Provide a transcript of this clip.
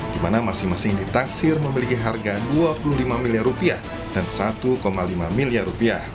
di mana masing masing ditaksir memiliki harga rp dua puluh lima miliar dan rp satu lima miliar